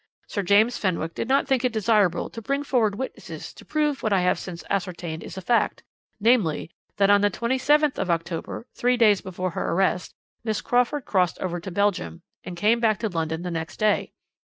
Sir James Fenwick did not think it desirable to bring forward witnesses to prove what I have since ascertained is a fact, namely, that on the 27th of October, three days before her arrest, Miss Crawford crossed over to Belgium, and came back to London the next day.